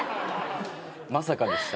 まさかでした。